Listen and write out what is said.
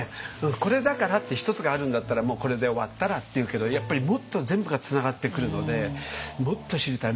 これだからって一つがあるんだったらもうこれで終わったらっていうけどやっぱりもっと全部がつながってくるのでもっと知りたい。